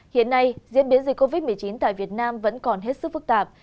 hiện nay diễn biến dịch covid một mươi chín tại việt nam vẫn còn hết sức phức tạp